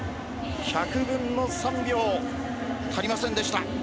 １３秒３５、１００分の３秒足りませんでした。